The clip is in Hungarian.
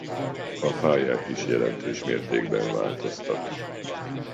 A pályák is jelentős mértékben változtak.